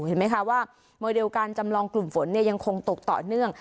เห็นไหมคะว่าโมเดลการจำลองกลุ่มฝนยังคงตกต่อเนื่อง